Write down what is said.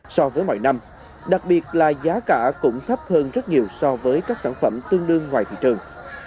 so với mọi năm đặc biệt là giá cả cũng thấp hơn rất nhiều so với các sản phẩm tương đương ngoài thị trường